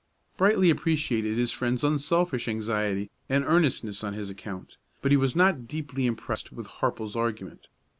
Brightly appreciated his friend's unselfish anxiety and earnestness on his account, but he was not deeply impressed with Harple's argument.